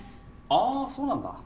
ああそうなんだ。